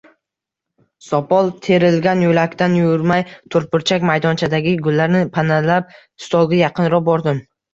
Sopol terilgan yo‘lakdan yurmay, to‘rtburchak maydonchadagi gullarni panalab, stolga yaqinroq bordim